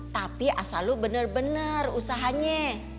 tapi asal lu bener bener usahanya